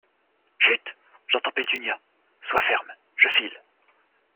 Chut !… j’entends Pétunia !… sois ferme ! je file !